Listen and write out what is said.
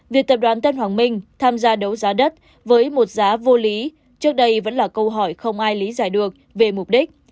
việc tập đoàn tân hoàng minh tham gia đấu giá đất với một giá vô lý trước đây vẫn là câu hỏi không ai lý giải được về mục đích